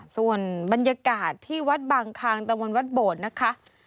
ส่วนบรรยากาศที่วัดบางคางตะมนต์วัดโบดนะคะ